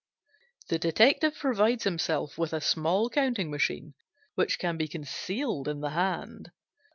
The detective provides himself with a small counting machine which can be concealed in the hand.